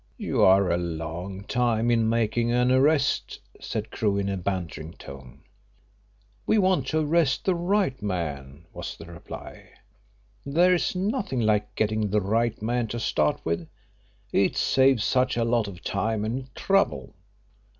"You are a long time in making an arrest," said Crewe, in a bantering tone. "We want to arrest the right man," was the reply. "There's nothing like getting the right man to start with; it saves such a lot of time and trouble.